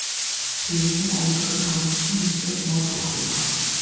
Եվ Եվան կոմիկական հանգստությամբ նստեց մոր կողքին: